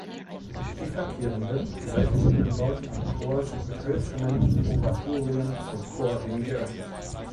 Die flankierenden seitlichen Anbauten am Chor sind mit hölzernen Oratorien zum Chor hin geöffnet.